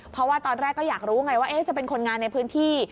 เพราะว่าตอนแรกก็อยากรู้ไงว่าจะเป็นคนงานในพื้นที่